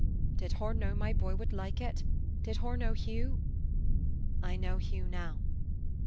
"Did hur know my boy wud like it? Did hur know Hugh?" "I know Hugh now."